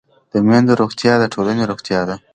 د میندو روغتیا د ټولنې روغتیا ده.